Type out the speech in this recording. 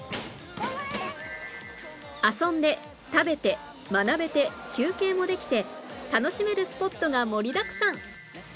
遊んで食べて学べて休憩もできて楽しめるスポットが盛りだくさん！